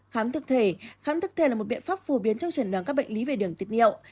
khám thực thể khám thực thể là một biện pháp phổ biến trong trần đoán các bệnh lý về đường tiết nhiệu